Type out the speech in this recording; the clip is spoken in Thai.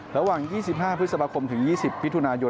ระหว่าง๒๕พฤษภาคมถึง๒๐มิถุนายน